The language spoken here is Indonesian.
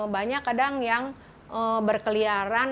banyak kadang yang berkeliaran